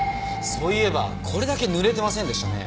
そういえばこれだけ濡れてませんでしたね。